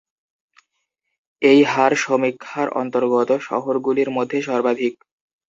এই হার সমীক্ষার অন্তর্গত শহরগুলির মধ্যে সর্বাধিক।